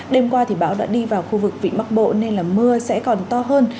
đêm qua thì bão đã đi vào khu vực vịnh bắc bộ nên là mưa sẽ còn to hơn